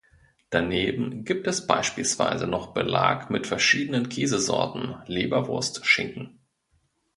Daneben gibt es beispielsweise noch Belag mit verschiedenen Käsesorten, Leberwurst, Schinken.